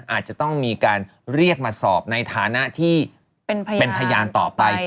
อาจจะต้องมีการเรียกมาสอบในฐานะที่เป็นพยานต่อไป